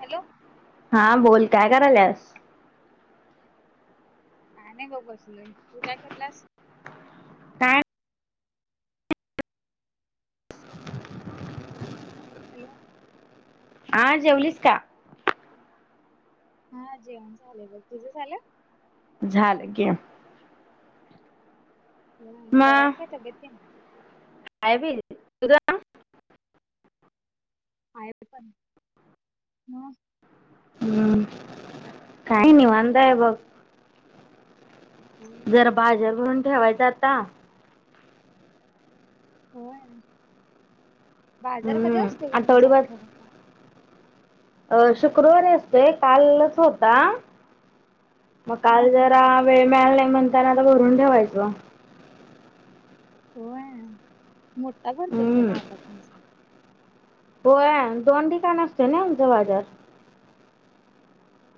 Hello. हा बोल काय करायल्यास. काय नाही बगं बसलोय. तू काय कराल्यास? काय हॅलो. हा जेवलीस का? हा जेवण झालय बघ. तुझं झाल? झालं घे. हम बराय काय तब्बेत तेन. हाय बाई तुजं. आहेत पण म. हम्म काय नाही निवांत आहे बगं. होय जरा बाजार भरून. ठेवायच आता. होय. बाजार कधी हम्म असतो गं तुमचा आठवडीभर आठवड्याचा? अ शुक्रवारी असतोय. कालच होता. मग हं काल हं जरा वेळ मिळाला नाही. म्हणताना आता भरून ठेवायच. व्हय. मोठा भरतोय का हम्म बाजार तुमचा. होय अ दोन ठिकाण असतय ना आमचा बाजार.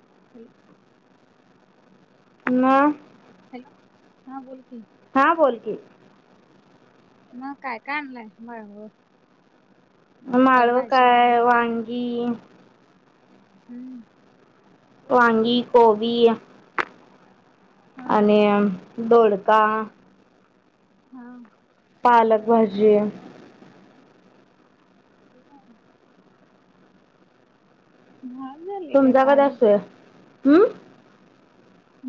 [inaudible] म. हॅलो हा बोल की. हा बोल की. मग काय का आणलाय माळव. माळव काय वांग हिंग हम्म वांगी गोबी हा आणि अ दोडका हा पालक भाजी [inaudible] महाग झाले का तुमचा कधी काय असतोय हम्म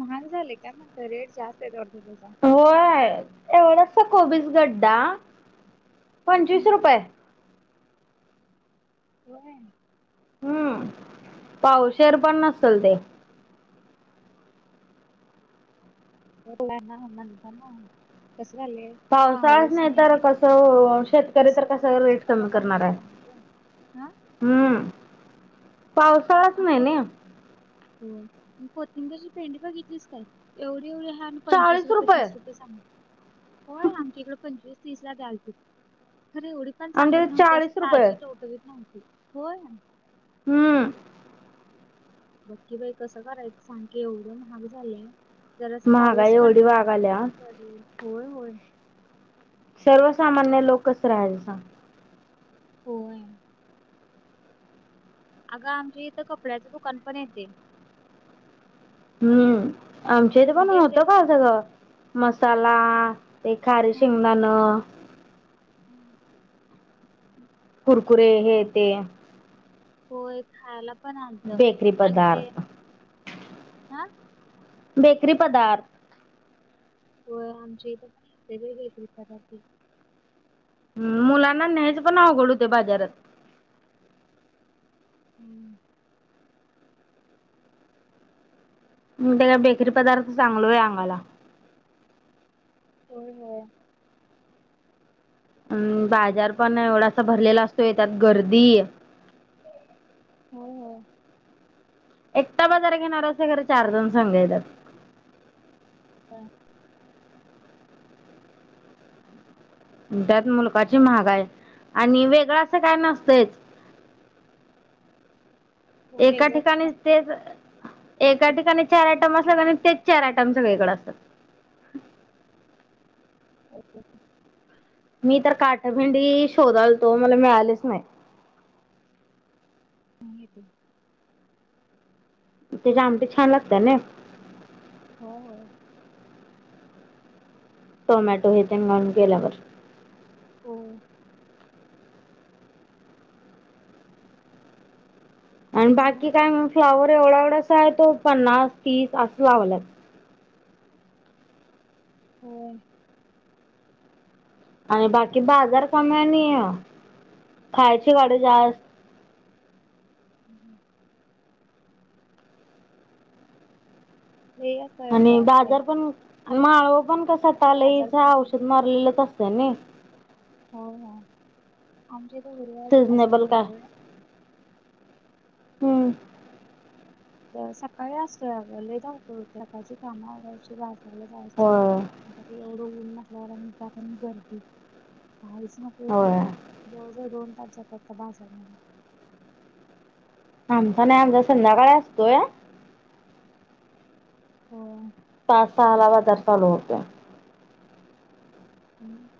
महाग झालय की काय म रेट जास्त आहे होय एवढंस कोबीज गडडा पंचवीस हं रुपये होय हम्म पावशेर पण नसल ते ना म्हणता ना पावसाळच नाही तर कसं शेतकरी तर सर्व कस रेट भाजीपाला कमी पण करणार महाग आहे झालाय गं. हा हम्म पावसाळाच नाहीनी हो कोथिंगरची पेंडी बघितलीच काय एवढी एवढी हाय आणि पंचवीस रुपये तीस रुपये सांगत्यात व्हय आमच्या इकडे पंचवीस रूपये तिसला द्यालतीत खर एवढी पण चांगली आमच्याकडे नव्हती असं चाळीस रुपये ताजी टोटवीत नव्हती होय हम्म बक्की बाई कसं करायचं सांग क एवढं महाग झालंय जर अस महागाई पाऊस पण एवढी वागाल्या पडन्यासारक पाहिजे कि होय होय सर्वसामान्य लोकच कस राहाच सांग होय अगं आमच्या इथं कपड्याच दुकान पण येतेय हम्म आमच्या इथ पण होत का येतंय? स मसाला प्ला ते खारीे हा शेंगदाणं हा. कुरकुरे हे ते होय खयला बेकरी पदार्थ आ बेकरी पदार्थ व्हय आमच्या इथं पण येतय बाई बेकरी पदार्थ हम् मुलांना व्हायचं पण अवघड होतय बाजारात हम्म म बेकरी पदार्थ चांगल व्हय आंगाला होय होय अं बाजार पण एवढासा भरलेला असतोय त्यात गर्दी होय होय एकटा बाजार घेणार असंतय खर चार जण संग येत्यात काय त्यात मुलकाची महागाई आणि वेगळं असं काय नसतयच होय एका वेगळं कोण ठिकाणी तेच एका असते ठिकाणी चार आयटम असल कणी तेच चार आयटम सगळीकडं असत्यात मी तर काठभिंडी शोधालतो मला मिळालीच नाही हं येते तेची आमटी छान लागत्या नई व्हय व्हय टोमॅटो हे तेन घालून केेल्यावर होय आणि मग बाकी काय म फ्लाॅवर एवढा एवढासा आय तो पन्नास तीस असं लावल्यात होय आणि बाकी बाजार कमी आणी खायची गाडे जास्त [inaudible] लई अस हे आणि असतय बाजार पण माळवं पण कस आता बाजार लईच भरतो औषध मारलेलंच असतय त्यांनी होय होय आमचे [inaudible] सिजनेबल काय हम्म सकाळी असतोय आग लय धावपळ होतंय, सकाळची काम आवरायची कशाला जायायच होय घरी येवढं ऊ ऊन म्हटल्यावर त्यात आणि गर्दी काहीच नको होतंय होय. जाऊदे दोन आजच्या पुरता बाजार म्हणे आमचा नाही, आमचा संध्याकाळी असतोय होय पाच सहाला बाजार चालू होतोय हम्म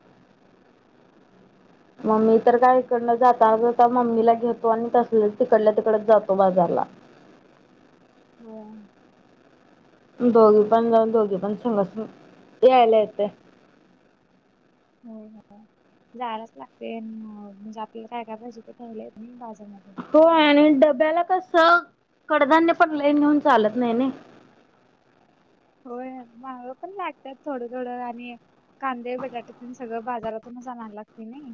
म मी तर काय इकडनं जाता जाता मम्मीला घेतो. आणि तसचं तिकडल्या तिकडं जातो बाजारला. होय दोघी पण जाऊन दोघी, पण संघच यायला येतंय होय होय जायायलाच लागतंय, आणि म्हणजे आपल्याला काय काय पाहिजे ते घ्यायला येतंय बाजारला- हो आणि डब्याला कसं- कडधान्य पण लय नेऊन चालत नाही नई- होय माळव पण लागतात, थोडं थोडं आणि कांदे, बटाटे पण तेन सगळं बाजारातून अनायला लागते नाही,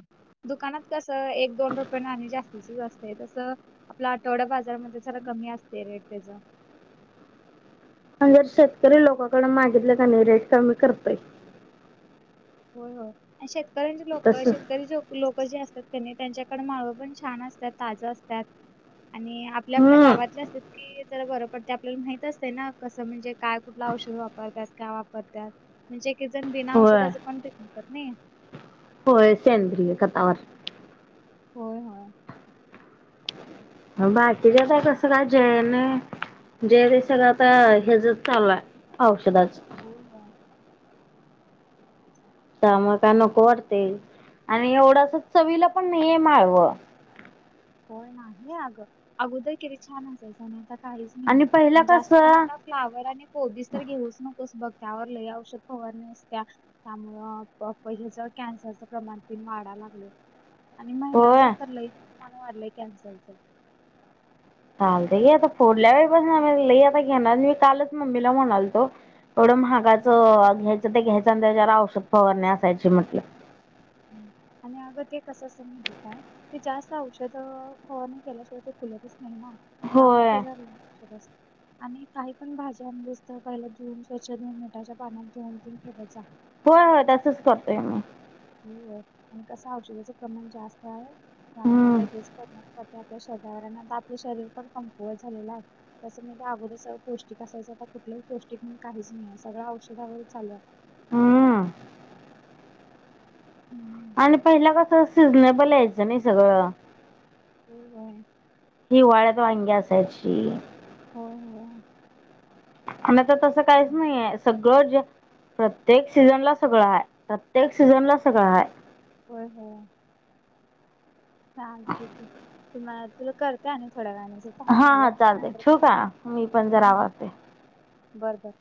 दुकानात कसं एक, दोन रुपय आणि जास्तीच जास्त असतं, तसं आपला आठवडा बाजारमध्ये जरा कमी असते रेट त्याज. म्हणजे शेतकरी लोकांकडे मागितले कने रेट कमी करतयं. होय होय आणि शेतकरी- शेतकऱ्यांची लोक तसं. शेतकरी लोक जे असतात- तर तेनी त्यांच्याकडं माळव पण छान असतात ताज असतात आणि आपल्या आपल्या हम्म गावातले असतात की जरा बरं पडते आपल्याला माहित असते ना, कसं म्हणजे काय कुठलं औषध वापरत काय वापरत म्हणजे एकेकजण बिन होय औषधच पण होत नाही होय सेंद्रीय खतावर होय होय बाकीच आता कसं काय जळन, जे ते आता हचच चालू आहे औषधाच- होय नंबर. त्यामुळं काय नको वाटते, आणि एवढं असं चवीला पण नाहीर माळव- होय ना गं अगोदर किती छान असायचं नाही का- काहीच नाही पहिला आणि जास्त पण कसं आता फ्लावर आणि कोबीज तर घेऊच नकोस बघ- त्यावर लय औषध फवारणी असतेया, त्यामुळं हे कॅन्सरच प्रमाण तेन वाढाय लागलंय. आणि महिलांच्या होय तर लयच- प्रमाण वाढलंय कॅन्सरच. चालतंय घे आता पुढल्या वेळीपासून लय आता घेणार नाही कालच मम्मीला म्हणालतो- येवढं महागाचं घ्यायचं ते घ्यायचं- सध्याजरा औषध फवारणी, असायची म्हटलं- आणि अगं ते कस असतय, माहिती काय ते जास्त औषध फवारणी केल्याशिवाय ते फुलतच नाही ना- त्यामुळं होय तेच्यावर लय औषध असते. आणि काही पण भाज्या आणलेस, तर पहिला धुवून स्वच्छ धुवून मिठाच्या पाण्यात धुवून तेन ठेवत जा- होय होय तसच करतोय मं. [unintelligible] आणि कस औषधाचं प्रमाण जास्त आहे. त्यामुये हम्म लगेच परिणाम करत- ते आपल्या शवर आता आपलं शरीर पण कमकुवत झालेलं आहे तसं म्हणजे अगोदस पौष्टिक असायचं आता कुठलं पौष्टिक म्हणून काहीच नाही सगळ्या औषधावर चालूय- हम्म. [inaudible] -. आणि पहिला कसं सिडनेबल यायचं नाही सगळं- होय होय. ही वाळ्यातंदो हंग्या असयचीशी- होय होय आण- तसं काहीच चालेल नाहीेयं सग- गर्ज प्रत्येक सीझन ला सगळं हाय प्रत्येक सीझन ला सगळं हाय- होयं होयं. चालते की तुम अ तुला करतेय ना? हा हा चालते ठेऊ का? मी पण जरा हा हा आवरते. बरं बर.